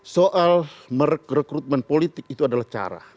soal merekrutmen politik itu adalah cara